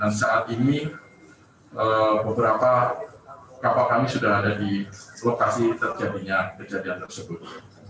dan saat ini beberapa kapal kami sudah ada di lokasi terjadinya kejadian tersebut